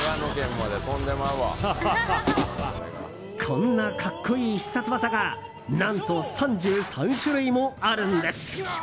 こんな格好いい必殺技が何と３３種類もあるんです。